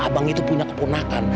abang itu punya keponakan